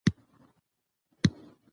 هغه د ایران د وروڼو لپاره نېک نیت وغوښت.